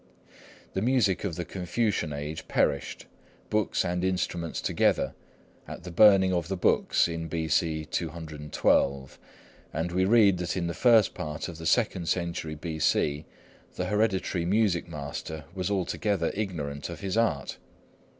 The music of the Confucian age perished, books and instruments together, at the Burning of the Books, in B.C. 212; and we read that in the first part of the second century B.C. the hereditary music master was altogether ignorant of his art.